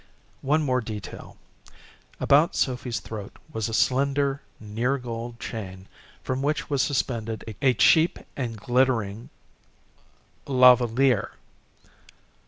One more detail. About Sophy's throat was a slender, near gold chain from which was suspended a cheap and glittering La Valliere.